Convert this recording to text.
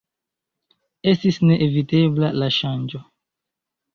Estis ne evitebla la ŝanĝo.